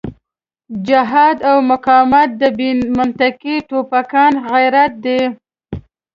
جهاد او مقاومت د بې منطقې ټوپکيان غرت دی.